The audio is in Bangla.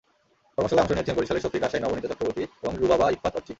কর্মশালায় অংশ নিয়েছেন বরিশালের শফিক, রাজশাহীর নবনীতা চক্রবর্তী এবং রুবাবা ইফফাত অর্চি।